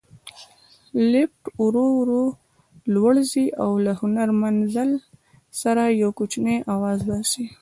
لفټ ورو ورو لوړ ځي او له هر منزل سره یو کوچنی اواز باسي.